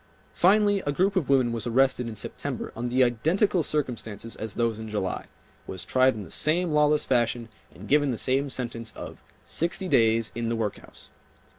Finally a group of women was arrested in September under the identical circumstances as those in July, was tried in the same lawless fashion and given the same sentence of "sixty days in the workhouse."